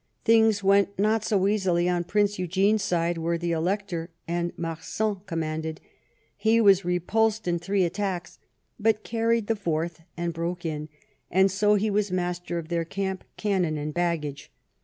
Things went not so easily on prince Eugene's side, where the elector and Marsin commanded; he was repulsed in three attacks, but carried the fourth, and broke in ; and so he was master of their camp, cannon, and baggage.